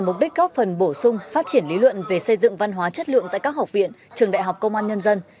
hội thảo được tổ chức nhằm mục đích góp phần bổ sung phát triển lý luận về xây dựng văn hóa chất lượng tại các học viện trường đại học công an nhân dân